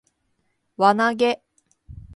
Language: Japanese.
輪投げ